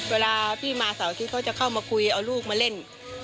เวลาพี่มาเขาจะเข้ามาคุยเอาลูกมาเล่น